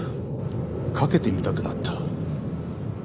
かけてみたくなった。